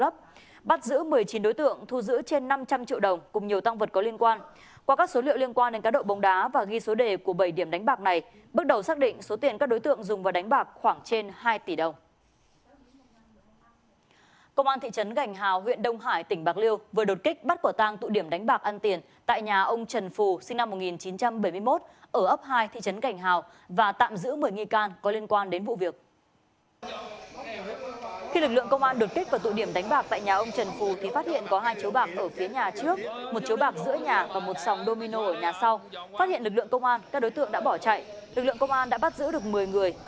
phát hiện lực lượng công an các đối tượng đã bỏ chạy lực lượng công an đã bắt giữ được một mươi người